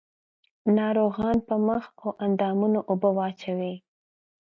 ناروغان پر مخ او اندامونو اوبه واچوي.